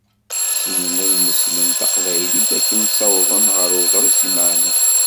Ssnen ad mmeslen Taqbaylit akken ssawḍen ɣer uḍris imeɛnen.